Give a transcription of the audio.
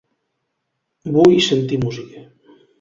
Vull sentir música.